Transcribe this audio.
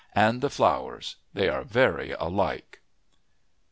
and the flowers! They are very alike.